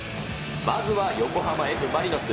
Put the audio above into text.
まずは横浜Ｆ・マリノス。